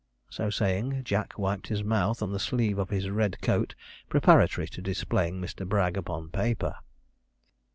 So saying Jack wiped his mouth on the sleeve of his red coat preparatory to displaying Mr. Bragg upon paper.